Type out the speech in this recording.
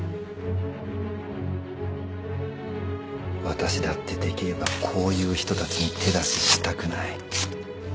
私だってできればこういう人たちに手出ししたくない。